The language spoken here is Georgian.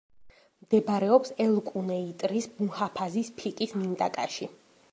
მდებარეობს ელ-კუნეიტრის მუჰაფაზის ფიკის მინტაკაში.